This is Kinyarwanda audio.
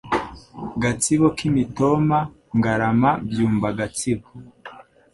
Gatsibo k'Imitoma Ngarama Byumba Gatsibo